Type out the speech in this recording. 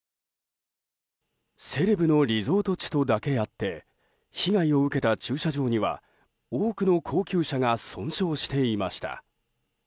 セレブのリゾート地だけあって被害を受けた駐車場には多くの高級車が損傷していました。